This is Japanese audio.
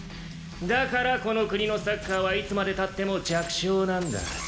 だからこの国のサッカーはいつまで経っても弱小なんだ。